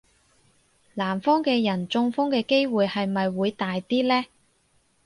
南方嘅人中風嘅機會係咪會大啲呢?